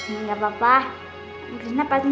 lipat dengan kata ototmu gak archie